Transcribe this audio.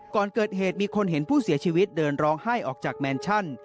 ก่อนเกิดเหตุมีคนเห็นผู้เสียชีวิตเดินร้องไห้ออกจากแมนชั่น